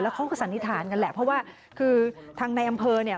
เขาก็สันนิษฐานกันแหละเพราะว่าคือทางในอำเภอเนี่ย